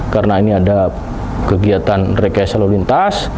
karena ini ada kegiatan rekayasa lalu lintas